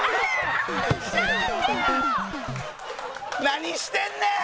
何してんねん！